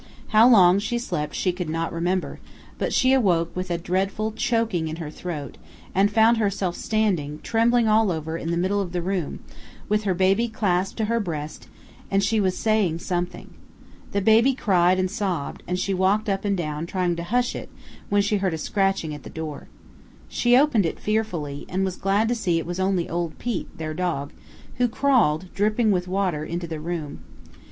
How long she slept she could not remember, but she awoke with a dreadful choking in her throat, and found herself standing, trembling all over, in the middle of the room, with her baby clasped to her breast, and she was "saying something." The baby cried and sobbed, and she walked up and down trying to hush it when she heard a scratching at the door. She opened it fearfully, and was glad to see it was only old Pete, their dog, who crawled, dripping with water, into the room.